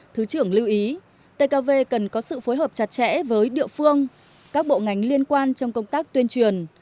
thứ trưởng lưu ý tkv cần có sự phối hợp chặt chẽ với địa phương các bộ ngành liên quan trong công tác tuyên truyền